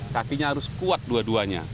kakinya harus kuat dua duanya